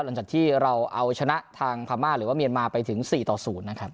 หลังจากที่เราเอาชนะทางพม่าหรือว่าเมียนมาไปถึง๔ต่อ๐นะครับ